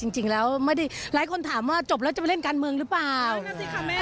จริงแล้วไม่ได้หลายคนถามว่าจบแล้วจะไปเล่นการเมืองหรือเปล่า